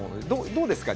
どうですか？